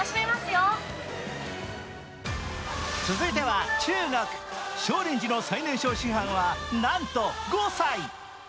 続いては中国少林寺の最年少師範はなんと５歳。